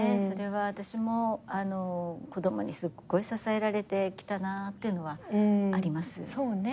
それは私も子供にすっごい支えられてきたなっていうのはあります。